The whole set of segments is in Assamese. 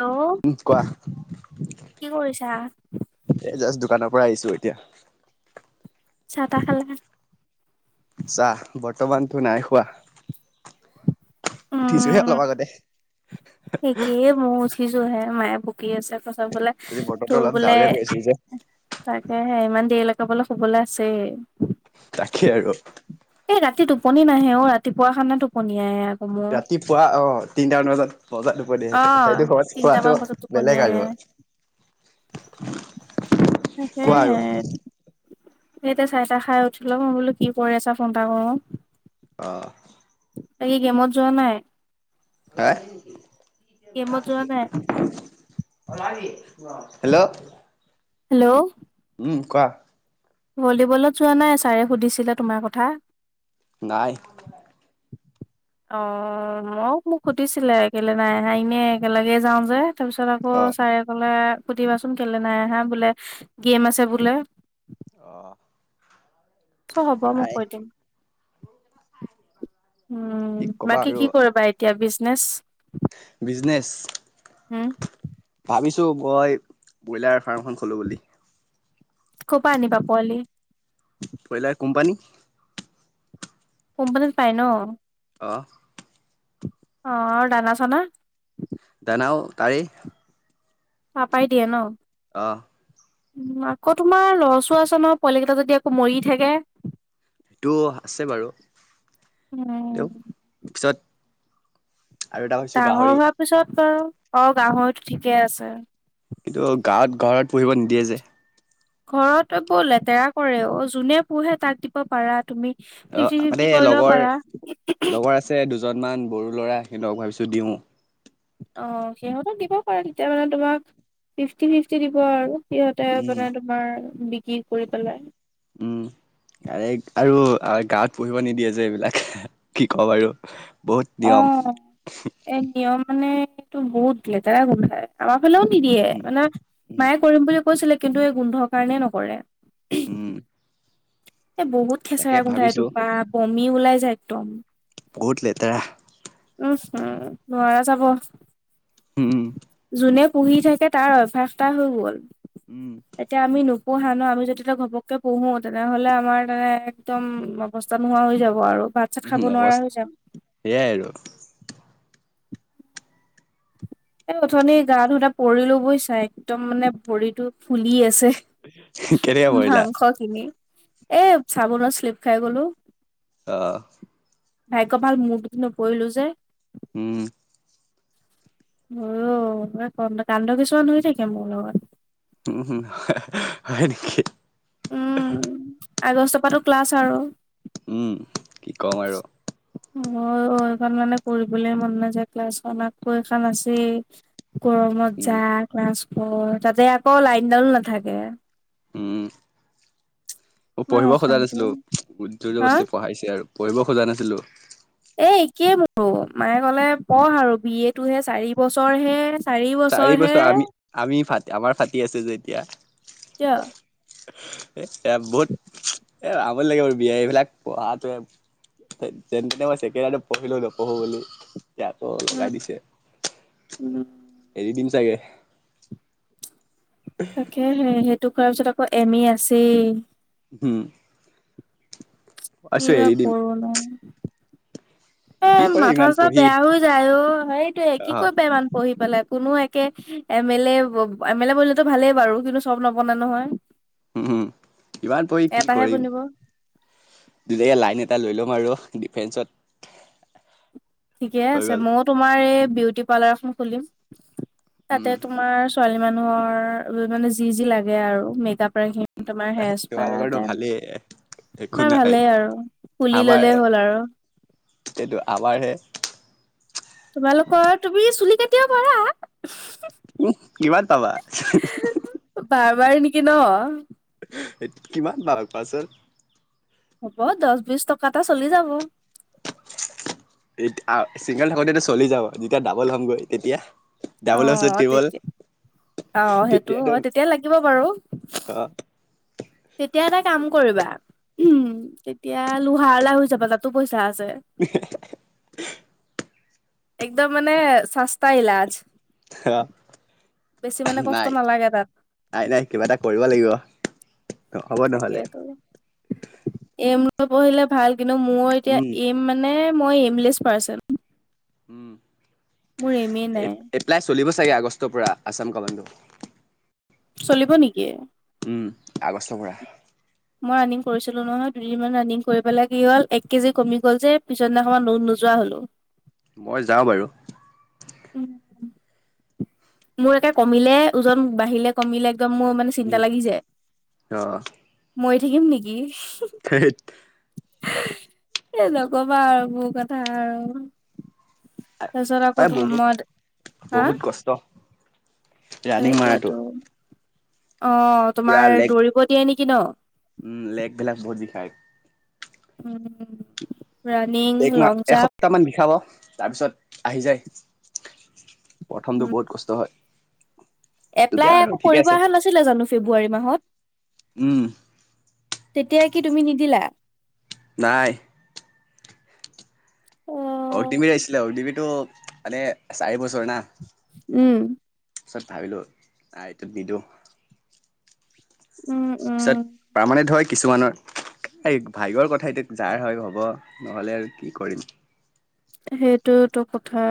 হেল্ল' উম, কোৱা? কি কৰিছা? এ, জাষ্ট দোকানৰ পৰা আহিছোঁ এতিয়া। চাহ টাহ খালা? চাহ বৰ্তমানতো নাই খোৱা। উঠিছোহে উম, অলপ আগতে। একেই মই উঠিছোঁহে, মায়ে বকি আছে, কৈছে বোলে আজি তোৰ বতৰটো অলপ বোলে ডাৱৰীয়া কৰি আছিল যে। তাকেহে ইমান দেৰিলৈকে বুলে শুবলে আছেই। তাকেই আৰু। এই ৰাতি টোপনি নাহে অ' ৰাতিপুৱা খানা টোপনি আহে। মোৰ। ৰাতিপুৱা অ' তিনটামান বজাত বজাতো হ'ব দিয়া সেইটো কথা। অ' সেইটো [unintelligible] তিনটামান খোৱাটো বজাত টোপনি বেলেগ আহে। আৰু। কোৱা আৰু তাকেহে। এইতা চাহ টাহ খাই উঠিলোঁ, মই বোলো কি কৰি আছা ফোন এটা কৰোঁ। অ'। বাকী গেমত যোৱা নাই? হা? গেমত যোৱা নাই? হেল্ল'। হেল্ল'। উম, কোৱা। ভলীবলত যোৱা নাই, ছাৰে সুধিছিলে তোমাৰ কথা। নাই। অ' ময়ো মোক সুধিছিলে এ, কেইলে নাই আহা, এনে একেলগে যাওঁ যে। তাৰপিছত আকৌ অ ছাৰে ক'লে সুধিবাচোন কেইলে নাই আহা, বোলে গেম আছে বোলে। অ'। চ' হ'ব মই নাই কৈ দিম। উম, কি ক'বা বাকী কি কৰিবা এতিয়া বিজনেচ? বিজনেছ। হু? ভাবিছোঁ মই ব্ৰইলাৰ ফাৰ্ম এখন খোলোঁ বুলি। ক'ৰপা আনিবা পোৱালি? Broiler company. কোম্পানীত পায় ন'? অ'। অ' আৰু দানা চানা? দানাও তাৰেই। পাপাই দিয়ে ন'? অ'। উ, আকৌ তোমাৰ লচো আছে নহয়, পোৱালিকেইটা যদি আকৌ মৰি থাকে। টো আছে বাৰু। উম, তেওঁ পিছত আৰু এটা ভাবিছো ডাঙৰ গাহৰি হোৱাৰ পিছত বাৰু, অ' গাহৰিটো ঠিকেই আছে। কিন্তু গাঁৱত ঘৰত পুহিব নিদিয়ে যে। ঘৰত এইবোৰ লেতেৰা কৰে অ'। যোনে পোহে তাক দিব পাৰা তুমি। ফিফটি অ ফিফটি কৰি ল'ব পাৰা। ছে দুজনমান ব'ৰো ল'ৰা, সিহঁতক ভাবিছোঁ দিওঁ। অ সিহঁতো দিব পাৰে তেতিয়া মানে তোমাক ফিফটি ফিফটি দিব আৰু। সিহঁতে উম মানে তোমাৰ বিক্ৰী কৰি পেলাই। উম। আৰু আৰু গাঁৱত পঢ়িব নিদিয়ে যে এইবিলাক কি কম বাৰু। বহুত নিয়ম। এই নিয়ম মানে সেইটো বহুত লেতেৰা গোন্ধায়। আমাৰ ফালেও নিদিয়ে উম মানে উম মায়ে কৰিম বুলি কৈছিলে কিন্তু এই গোন্ধৰ কাৰণে নকৰে। উম। এ বহুত তাকে খেচেৰা গোন্ধাই ভাবিছো এইটোপা বমি ওলাই যায় একদম। বহুত লেতেৰা। উম হু নোৱাৰা যাব। উম। যোনে পুহি থাকে তাৰ অভ্যাস এটা হৈ গ'ল। উম। তেতিয়া আমি নোপোহা ন আমি যদি ঘপকে পোহো তেনেহ'লে আমাৰ মানে একদম অৱস্থা নোহোৱা হৈ যাব আৰু বাট। উম অৱস্থ সেইয়াই আৰু। এই অথনি গা ধুটা পৰিলো বুজিচাই একদম মানে ভৰিতটো ফুলি আছে। কেনেকে পৰিলা মাংস খিনি এ চাবোনৰ চিলিপ খাই গলো। অ। ভাগ্যয় ভাল মূৰটোত নপৰিলো যে। উম। হলো অ ক কানড কিছুমান হৈ থাকে মোৰ লগত। ও সো হয় নেকি। উম আগষ্টৰ পা ত ক্লাছ আৰু। উম কি ক'ম আৰু। অ এইখন মানে পঢ়িবলৈ মন নাযায় ক্লাছখন আকৌ এইখন আছেই। গৰমত উম যা ক্লাছ কৰ তাতে আকৌ লাইন দালো নাথাকে। উম উ ইমান পঢ়িব সজা অশান্তি নিছিলো হা যোৰজবস্তি পঢ়াইছে আৰু। পঢ়িব খোজা নাছিলোঁ। এ একেই মোৰো মায়ে কলে পঢ়ৰ আৰু বি এ টোহে চাৰি বছৰ হে। চাৰি বছৰ আমি আমি ফা আমাৰ ফাটি আছে যে এতিয়া। কিয় এ এ বহুত এ আমনি লাগে বি এ এইবিলাক পঢ়াটোৱে। যে তেনে মই চছেকেণ্ড পঢ়িলো নপঢ়ো বুলি ইতিয়া লগাই উম দিছে। উম। এৰি দিম চাগে। তাকে সে সেইটো কৰাৰ পিছত আকৌ এম এ আছেই। উম। কি আছো যে এৰি দিম কৰো ন। এ কি কৰে মাথা ইমান চাথা পঢ়ি বেয়া হৈ যায় অ সেইটোৱে কি আহ কৰিব পাৰিম আমি পঢ়ি পেলাই কোনো এ কে এমেলে এমেলে বনিলেতো ভালেই বাৰু কিন্তু চব নবনে নহয়। উম হু ইমানাৰ পঢ়ি কি এটাহে কৰিম। বনিব ধুনিয়াকে লাইন এটা লৈ ল'ম আৰু ডিফেন্সত। ঠিকে হৈ আছে গ'ল মোয়োও তোমাৰ এই বিউটি পাৰ্লাৰ এখন খুলিম তাতে উম তোমাৰ ছোৱালী মানুহৰ মানে যি যি লাগে আৰু মেক আপৰ এইখিনি। তোমাৰ সেচ্পা তোমালোকৰতো তেম ভালেই একো তোমাৰ নাই ভালেই আৰু খুলি ললে হ'ল আৰু। সেইটো আমাৰহে তোমালোকৰ তুমি চুলি কাতিব পৰা? উম, কিমান তাৱা [inaudible] বাৰ বাৰ নেকি ন? কিমান বাৰ পাছ হ'ব দশ বিশ টকাতে চলি যাব। [unintelligible] চিংগল থাকোতেটো চলি যাব যেতিয়া ডাবল হ'মগৈ তেতিয়া? ডাবলৰ পিছত অ', ত্ৰিবল তেতি অ', সেইটো তেতিয়াতো হয় তেতিয়া লাগিব বাৰু। অ তেতিয়া এটা কাম কৰিবা, উম, তেতিয়া লোহাৱলা হৈ যাবা তাতো পইচা আছে। [inaudible] একদম মানে চাস্তা ইলাজ। অ', বেছি মানে কষ্ট নাই, নালাগে তাত নাই নাই কিবা এটা কৰিব লাগিব। হ'ব নহ'লে তাকেতো, এইম লৈ পঢ়িলে ভাল কিন্তু মোৰ এতিয়া উম এইম মানে মই এইমলেছ পাৰ্চন। উম। মোৰ এমেই এ নাই। এপ্লাই চলিব চাগে আগষ্টৰ পৰা আছাম কমাণ্ড। চলিব নেকি? উম, আগষ্টৰ পৰা। মই ৰানিং কৰিছিলোঁ নহয়, দুদিনমান ৰানিং কৰি পেলাই কি হ'ল এক কেজি কমি গ'ল যে পিছৰদিনা খনৰ পৰা নো-নোযোৱা হলোঁ। [inaudible] মই যাওঁ বাৰু। উম। মোৰ একে কমিলে ওজন বাঢ়িলে কমিলে একদম মোৰ মানে উম চিন্তা লাগি যায়। অ মৰি থাকিম নেকি? থেত এ, নকবা আৰু মোৰ কথা আৰু। তাৰপিছত এ আকৌ তোমাৰ বহুত মই তো, আ? বহুত কষ্ট ৰানিং মাৰাটো এইটোয়েতো, অ', পুৰা তোমাৰ লেগ দৌৰিব দিয়ে নেকি ন? উম, লেগ ভিলাক বহুত বিষাই। উম। ৰানিং এক মাহ লং জাম্প এসপ্তাহ মান বিষাব তাৰপিছত আহি যায়। প্ৰথমটো উম বহুত কষ্ট হয়। তেতিয়া এপ্লাই আৰু আকৌ ঠিকে কৰিব আছে অহা নাছিলে জানোঁ ফেব্ৰুৱাৰী মাহত? উম। তেতিয়া কি তুমি নিদিলা? নাই। অগ্নীবীৰ উম। আহিছিলে অগ্নীবীৰটো মানে চাৰি বছৰ না। উম। তাৰ পিছত ভাবিলোঁ আ এইটো দিদো। উম, উম। তাৰমানে ধৰা কিছুমানৰ, এই ভাগ্যৰ কথা এতিয়া যাৰ হয় হব। নহ'লে আৰু কি কৰিম। সেইটোৱেটো কথা।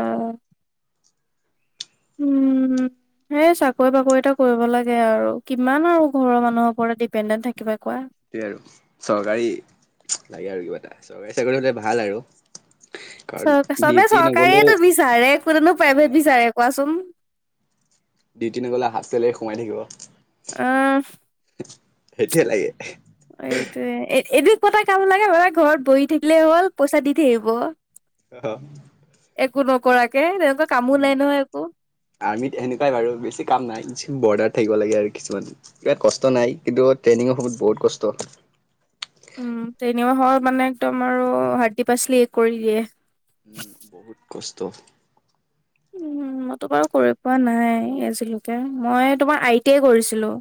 উমঁ উমঁ এই চাকৰি বাকৰি এটা কৰিব লাগে আৰু কিমান আৰু ঘৰৰ মানুহৰ ওপৰত ডিপেণ্ডেণ্ট থাকিবি কোৱা। সিয়ে আৰু চৰকাৰী লাগে আৰু কিবা এটা চৰকাৰী চাকৰি হ'লে ভাল আৰু। কাৰণ চ চবে ডিউটি নগ'লেও চৰকাৰীয়েটো বিচাৰে কোনেনো অ প্ৰাইভেট বিচাৰে কোৱাচোন? ডিউটি নগলেও হাফতে সোমাই থাকিব অঁহহ সেইটোয়ে লাগে। এইটোয়ে এইটো কতটা কাম লাগে বৰা ঘৰত বহি থাকিলে হ'ল পইচা দি থাকিব। অহ একো নকৰাকে তেনেকুৱা কামো উম নাই নহয় একো। আৰ্মিত এনেকুৱাই বাৰু বেছি কাম নাই বৰ্ডাৰ থাকিব লাগে আৰু কিছুমান। ইয়াত কষ্ট নাই কিন্তু ট্ৰেইনিঙৰ সময়ত বহুত কষ্ট। উমঁ ট্ৰেইনিং ৰ সময়ত মানে একদম আৰু হাৰ্দি পাচলি কৰি দিয়ে। উমঁ বহুত কষ্ট। হুম হুম হুম মইতো বাৰু কৰি পোৱা নাই আজিলৈকে মই তোমাৰ আই টি আই কৰিছিলোঁ।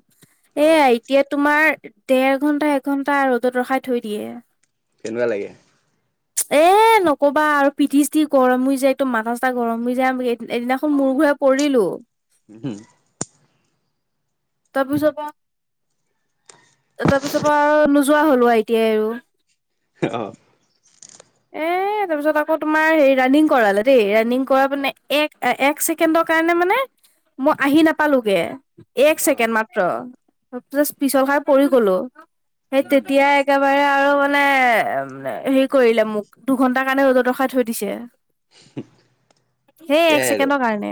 এ আই এটিয়া তোমাৰ দেৰ ঘন্টা এ ঘন্টা ৰ'দত ৰখাই থৈ দিয়ে। কেনেকুৱা লাগে? এ নকবা আৰু পিঠি চিঠি গৰম হৈ যায়টো মাঠা চাঠা গৰম হৈ যায়। যে আমি এদিনাখন মূৰ ঘূৰাই পৰিলোঁ। হুম। তাৰপিছৰ পৰা তাৰপিছৰ পৰা নোযোৱা হলোঁ আই টি আই আৰু। সিতো অহ এ তাৰপিছত আকৌ তোমাৰ হে ৰানিং কৰালে দেই ৰানিং কৰালে অ মানে এক- এ এক ছেকেণ্ডৰ কাৰণে মানে মই আহি নাপালো গে এক অ ছেকেণ্ড মাত্ৰ। ত জাচ পিছল খাই পৰি গলো সেই উম তেতিয়াই একেবাৰে আৰু মানে হেৰি কৰিলে মোক দুঘন্টাৰ কাৰণে ৰ'দত ৰখাই থৈ দিছে। সেই এক সেয়াই আৰু ছেকেণ্ডৰ কাৰণে।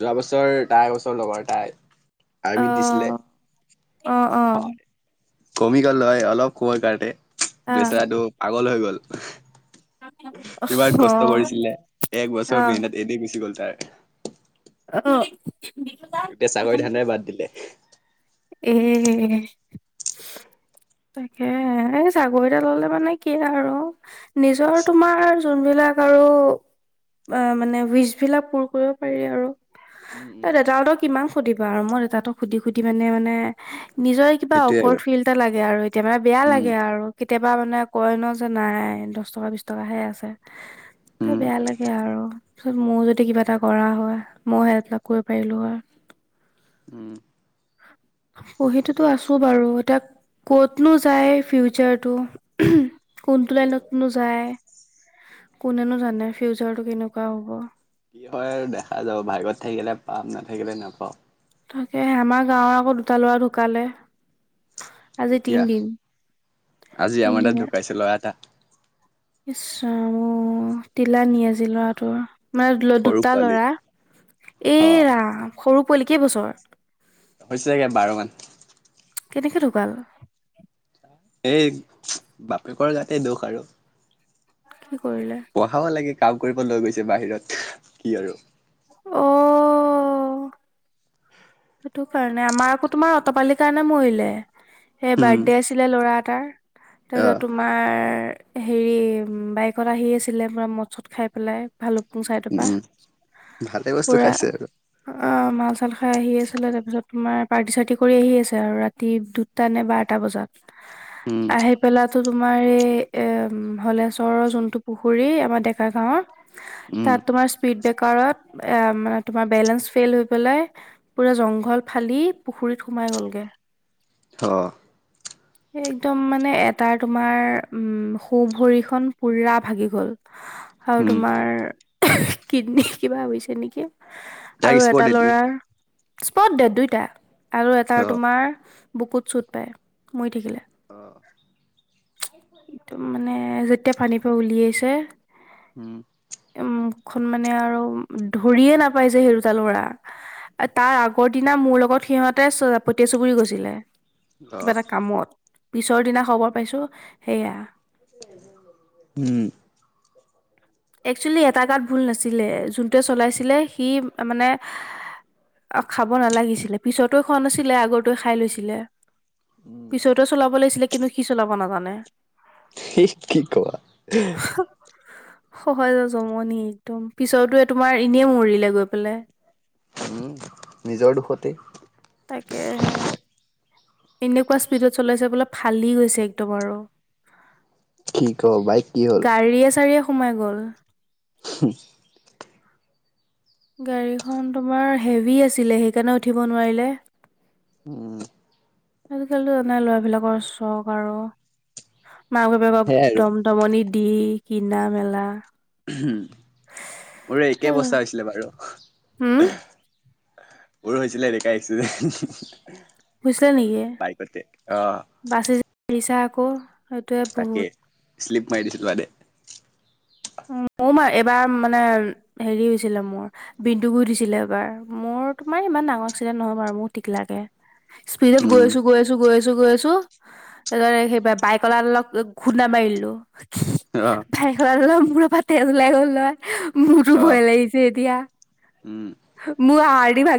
যোৱা বছৰ দাই এবছৰ লগৰ তাই আৰ্মিত দিছিলে। অঁ অঁ! কমি গ'ল হয় অলপ সময় কাৰতে অ বেচৰাটো পাগল হৈ গ'ল। ইমান কষ্ট কৰিছিলে এক বছৰৰ অ বেনত এনে গুচি গ'ল তাৰ। অঁ নো এতিয়া চাকৰি ধান্দা বাদ দিলে। উমঁ উমঁ হো তাকেই এ চাকৰি এটা ল'লে মানে কি আৰু। নিজৰ তোমাৰ যোনবিলাক আৰু অঁ মানে উইচ বিলাক পূৰ কৰিব পাৰি আৰু। উম এ উম দেউতহঁতক কিমান সুধিবা আৰু মই দেউতাহতক সুধি সুধি মানে- এহ নিজৰ কিবা সেইটোৱে আৰু অকৰ্ড ফিল এটা লাগে আৰু এতিয়া মানে বেয়া উম লাগে আৰু্ কেতিয়াবা মানে কয় ন যে নাই দশ টকা বিশ টকা হে আছে। তাকো উম বেয়া লাগে আৰু। তা পিছত মোৰো যদি কিবা এটা কৰা হয় মই হেল্প অলপ কৰিব পাৰিলো হয়। উমঁ! পঢ়িটোতো আছো বাৰু। এতিয়া- ক'তনো যায় ফিউচাৰটো কোনটো সেইটোৱে আৰু লাইনতনো যায়? কোনেনো জানে ফিউচাৰটো কেনেকুৱা হ'ব? কি হয় আৰু দে- দেখা যাব ভাগ্যত থাকিলে পাম নাথাকিলে নাপাওঁ। তাকেহে, আমাৰ গাঁৱৰ আকৌ দুটা লৰা ঢুকালে। আজি কেতিয়া তিনিদিন, তিনিদিনা। পিছে লৰা এটা। ইছ ৰাম অঁ, তিলানী আজি ল'ৰাটোৰ। মানে সৰু দুটা পোৱালি লৰা, এ অ ৰাম সৰু পোৱালী কেই বছৰ। হৈছেগে বাৰ মান। কেনেকে ঢুকাল? এই বাপেকৰ গাতে দোষ আৰু। কি কৰিলে? পঢ়াব লাগে, কাম কৰিব লৈ গৈছে বাহিৰত কি আৰু? অ' সেইটো কাৰণে। আমাৰ আকৌ তোমাৰ অতপালিৰ কাৰণে মৰিলে হে উম বাৰ্থডে আছিলে ল'ৰা এটাৰ। অ তাপিছত তুম- আমাৰ হেৰি বাইকত আহি আছিলে পুৰা মদ চত খাই পেলাই ভালুক- চাই থকা উম ভালে বস্তু পুৰা খাইছে আৰু অঁ মাল চাল খাই আহি আছো। তাৰপিছত তোমাৰ পাৰ্টি চাৰ্টি কৰি আহি আছে আৰু ৰাতি দুটা নে বাৰটা বজাত। উম' আহি পেলাই টো তোমাৰ এই এ ধলেশ্বৰৰ যোনটো পুখুৰী আমাৰ ডেকা গাঁৱৰ- উম তাত তোমাৰ স্পীড বেকাৰত মানে তোমাৰ বেলেঞ্চ ফেইল হৈ পেলাই- পুৰা জংঘল ফালি পুখুৰীত সোমাই গ'ল গে। অ' একদম মানে এটা তোমাৰ উম' সো ভৰিখন পুৰা ভাগি গল। আৰু উম তোমাৰ কিডনী কিবা হৈছে নেকি। তাইক আৰু স্পৰ্ট এটা দেত লৰাৰ নেকি স্পট ডেড দুইটা আৰু এটা অ তোমাৰ- বুকুত চুট পায় মৰি থাকিলে। অ' একদম মানে যেতিয়া পানীৰ পৰা উলিয়াইছে- উম' এ মুখখন মানে আৰু ধৰিয়ে নাপাই যে সেই দুটা লৰা। তাৰ আগৰ দিনা মোৰ লগত সিহঁতে পতিয়া চুবুৰী গৈছিলে। অ কিবা এটা কামত পিছৰ দিনা খবৰ পাইছো সেয়া। [unintelligible] উম' একচুৱেলি এটা গাত ভুল নাছিলে যোনটোৱে চলাইছিলে সি মানে- অ' খাব নালাগিছিলে পিছৰতো খোৱা নাছিলে আগটোৱে খাই লৈছিলে। উম পিছৰ টোৱে চলাব লাগিছিলে কিন্তু, সি চলাব নাজানে। সেই কি কোৱা? হু' সহজে জমনি একদম পিছতে তোমাৰ এনেই মই মৰিলে গৈ পেলাই। উওম' নিজৰ দুখতেই তাকেহে এনেকুৱা স্পীডত চলাইছে বোলে ফালি গৈছে একদম আৰু কি ক বাইক কি হ'ল গাড়ীয়ে চাৰিয়ে সোমাই গল ছুম [unintelligible] গাড়ীখন তোমাৰ হেভি আছিলে সেইকাৰণে উঠিব নোৱাৰিলে উম [inaudible] আজিকালি জানাই ল'ৰাবিলাকৰ চখ আৰু মাক বাপেকক সেয়াই আৰু একদম দমনি দি কিনা মেলা মোৰ একেই অৱস্থা হৈছিলে বাৰু হো মোৰ হৈছিলে এনেকাই আছিলে হুইছিলে নেকি অ বাচি যে আহিছা আকৌ সেইটোৱে বহুত স্লিম মাৰি দিছিল মানে মোৰ মা এইবাৰ মানে হেৰি হৈছিলে মোৰ বিন্দুগুইত হৈছিলে এবাৰ মোৰ তোমাৰ ইমান ডাঙৰ এক্সিডেণ্ট নহয় বাৰু মোৰ টিকলাকে স্পীডত গৈ উম আছো গৈছ ছো গৈ আছো গৈ আছো তাছত সেই বা বাইকৱলা দালক খুন্ধা মাৰি দিলো অ বাইকৱালা দাল মূৰ পৰা তেজ ওলাই গ'ল নহয় মোৰতো অ ভয় লাগিছে এতিয়া উম মোৰ হাৰ্ডি ভাগি